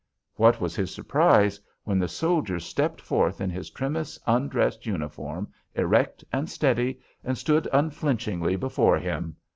What was his surprise when the soldier stepped forth in his trimmest undress uniform, erect and steady, and stood unflinchingly before him!